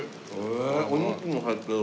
えお肉も入ってる。